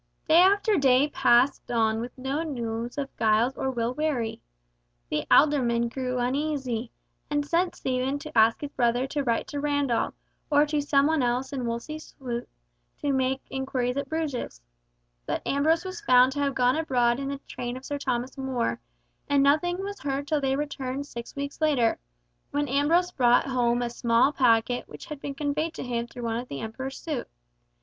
Day after day passed on with no news of Giles or Will Wherry. The alderman grew uneasy, and sent Stephen to ask his brother to write to Randall, or to some one else in Wolsey's suite, to make inquiries at Bruges. But Ambrose was found to have gone abroad in the train of Sir Thomas More, and nothing was heard till their return six weeks later, when Ambrose brought home a small packet which had been conveyed to him through one of the Emperor's suite.